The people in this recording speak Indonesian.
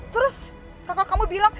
terus kakak kamu bilang